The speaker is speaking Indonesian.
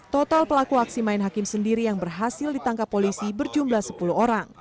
total pelaku aksi main hakim sendiri yang berhasil ditangkap polisi berjumlah sepuluh orang